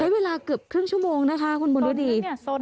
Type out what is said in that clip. เวลาเกือบครึ่งชั่วโมงนะคะคุณบุญฤดี